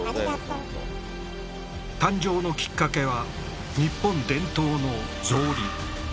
誕生のきっかけは日本伝統の草履。